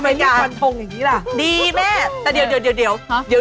แม่หสวงที่เขารรมทงอย่างนี้ล่ะ